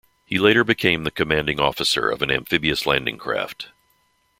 He later became the commanding officer of an amphibious landing craft.